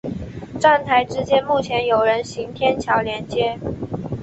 站台之间目前有人行天桥连接。